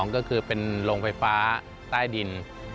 ก็คือเป็นโรงไฟฟ้าใต้ดิน